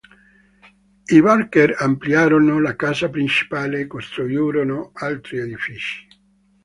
I Barker ampliarono la casa principale e costruirono altri edifici.